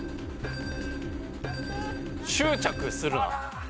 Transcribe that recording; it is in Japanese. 『執着するな！』。